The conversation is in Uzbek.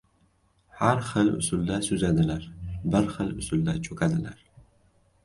— Har xil usulda suzadilar, bir xil usulda cho‘kadilar.